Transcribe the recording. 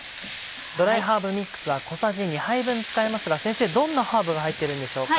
ドライハーブミックスは小さじ２杯分使いますが先生どんなハーブが入ってるんでしょうか？